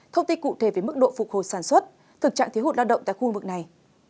thông tin cụ thể về mức độ phục hồi sản xuất thực trạng thiếu hụt lao động tại khu vực này